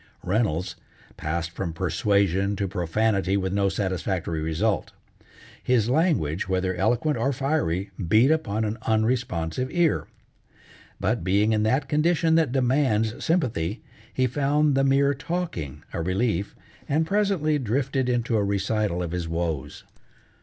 Reynolds passed from persuasion to profanity with no satisfactory result. His language, whether eloquent or fiery, beat upon an unresponsive ear. But being in that condition that demands sympathy, he found the mere talking a relief, and presently drifted into a recital of his woes.